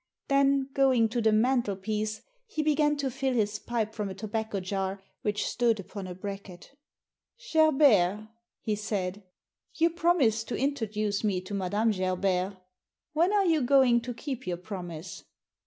Then, going to the mantelpiece, he began to fill his pipe from a tobacco jar which stood upon a bracket ^ Gerbert," he said, "you promised to introduce me to Madame Gerbert When are you going to keep your promise?"